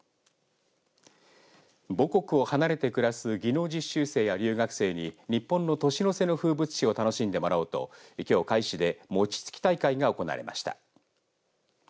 母国を離れて暮らす技能実習生や留学生に日本の年の瀬の風物詩を楽しんでもらおうときょう甲斐市で餅つき大会が行われました。